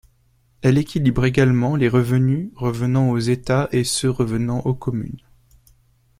Elle équilibre également les revenus revenant aux États et ceux revenant aux communes.